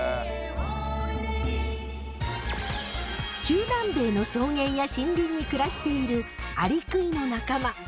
中南米の草原や森林に暮らしているアリクイの仲間。